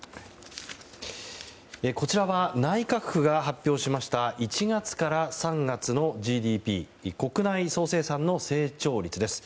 こちらは内閣府が発表しました１月から３月のＧＤＰ・国内総生産の成長率です。